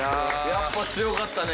やっぱ強かったね